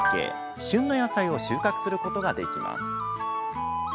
旬の野菜を収穫することができます。